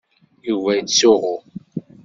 Yuba yettsuɣu.